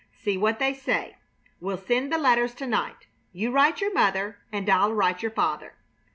See what they say. We'll send the letters to night. You write your mother and I'll write your father."